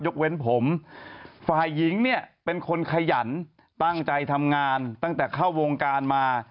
เว้นผมฝ่ายหญิงเนี่ยเป็นคนขยันตั้งใจทำงานตั้งแต่เข้าวงการมา